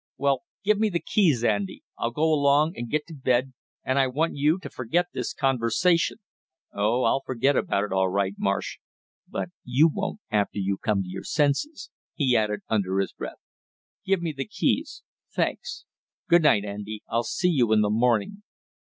"Well, give me the keys, Andy. I'll go along and get to bed, and I want you to forget this conversation " "Oh, I'll forget it all right, Marsh but you won't after you come to your senses!" he added under his breath. "Give me the keys thanks. Good night, Andy! I'll see you in the morning."